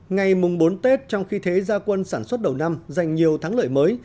ngày mùng bốn tết trong khi thế gia quân sản xuất đầu năm dành nhiều thắng lợi mới